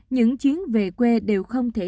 những chuyến về quê đều không thể